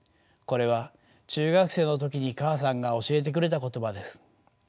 これは中学生の時に母さんが教えてくれた言葉です。